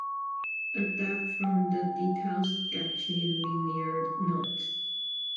Adapted from the "Details Sketchy" liner notes.